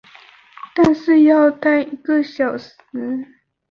但是要待一个小时